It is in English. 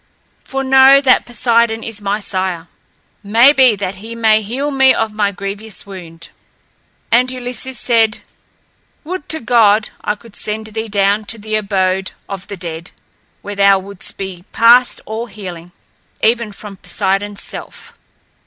For know that Poseidon is my sire. May be that he may heal me of my grievous wound." And Ulysses said, "Would to God, I could send thee down to the abode of the dead, where thou wouldst be past all healing, even from Poseidon's self."